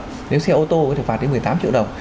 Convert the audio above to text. nếu xe ô tô có thể phạt đến một mươi tám triệu đồng